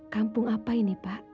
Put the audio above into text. kampung apa ini pak